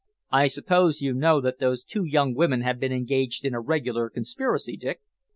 I suppose you know that those two young women have been engaged in a regular conspiracy, Dick?"